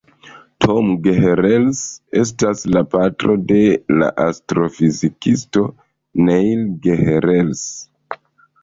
Tom Gehrels estas la patro de la astrofizikisto Neil Gehrels.